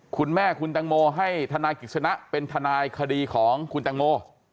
คุณแม่คุณตังโมให้ธนายกิจสนะเป็นทนายคดีของคุณตังโม